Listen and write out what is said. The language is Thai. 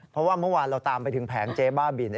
เพราะว่าเมื่อวานเราตามไปถึงแผงเจ๊บ้าบิน